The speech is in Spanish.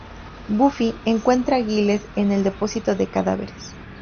Buffy encuentra a Giles en el depósito de cadáveres.